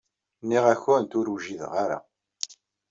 Nniɣ-awent ur wjideɣ ara.